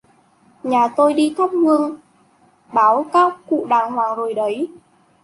Nhà tôi đi thắp Hương báo các cụ đàng hoàng rồi đấy